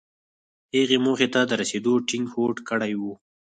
هغه موخې ته د رسېدو ټينګ هوډ کړی و.